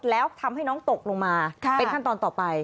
แล้วทำให้น้องตกลงมาเป็นขั้นตอนต่อไป